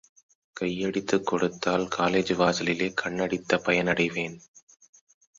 கையடித்துக் கொடுத்தால் காலேஜு வாசலிலே கண்ணடித்த பயனடைவேன்!